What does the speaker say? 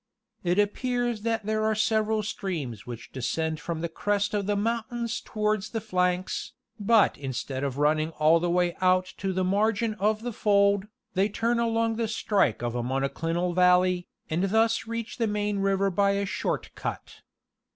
It appears that there are several streams which descend from the crest of the mountains towards the flanks, but instead of running all the way out to the margin of the fold, they turn along the strike of a monoclinal valley, and thus reach the main river by a short cut.